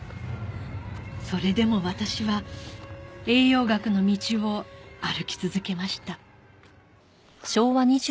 それでも私は栄養学の道を歩き続けました